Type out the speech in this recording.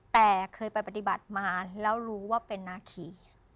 แต่เคยไปปฏิบัติมาแล้วรู้ว่าเป็นนาคี